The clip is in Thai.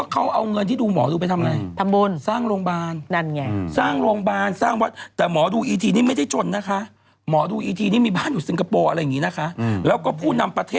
เขาเอาเงินที่ดูหมอดูไปทำอะไร